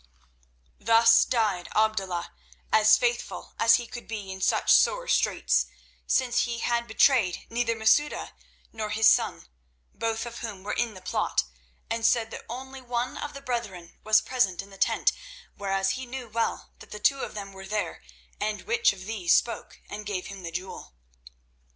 Thus died Abdullah, as faithful as he could be in such sore straits, since he had betrayed neither Masouda nor his son, both of whom were in the plot, and said that only one of the brethren was present in the tent, whereas he knew well that the two of them were there and which of these spoke and gave him the jewel.